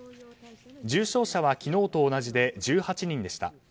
重症者は昨日と同じで１８人でした。